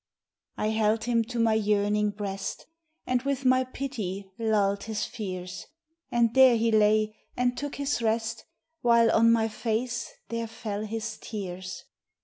I held him to my yearning breast, And with my pity lulled his fears ; And there he lay and took his rest, While on my face there fell his tears.